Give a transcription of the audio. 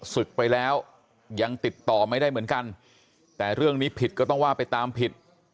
ศึกไปแล้วยังติดต่อไม่ได้เหมือนกันแต่เรื่องนี้ผิดก็ต้องว่าไปตามผิด